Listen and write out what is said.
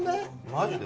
マジで？